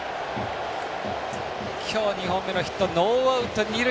今日２本目のヒットノーアウト、二塁。